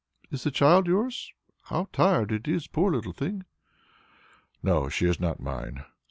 "Is the child yours? How tired it is, poor little thing!" "No, she is not mine.